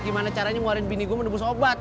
gimana caranya ngeluarin bini gue menebus obat